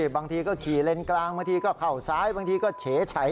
บางทีก็ขี่เลนกลางบางทีก็เข้าซ้ายบางทีก็เฉย